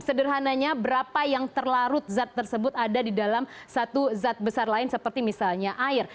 sederhananya berapa yang terlarut zat tersebut ada di dalam satu zat besar lain seperti misalnya air